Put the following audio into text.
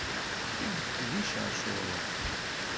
Tekkat-d d iceṛcuren.